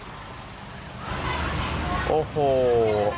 โอ้โหออกมาจากการไปซื้อของเห็นอย่างนี้ก็ตกใจสิครับ